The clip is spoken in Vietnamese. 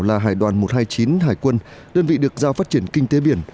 là hải đoàn một trăm hai mươi chín hải quân đơn vị được giao phát triển kinh tế biển